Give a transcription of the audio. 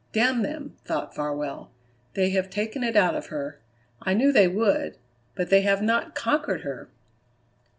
"Damn them!" thought Farwell; "they have taken it out of her. I knew they would; but they have not conquered her!"